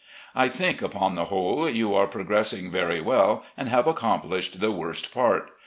I think, upon the whole, you are progressing very well and have accom plished the worst part.